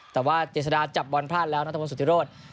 แต่ว่าเจษฎาจับบอลพลาดแล้วนัทพลสุธิโรธ